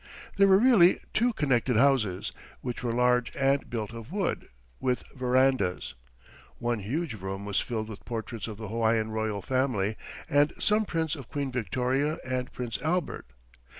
There were really two connected houses, which were large and built of wood, with verandas. One huge room was filled with portraits of the Hawaiian royal family and some prints of Queen Victoria and Prince Albert.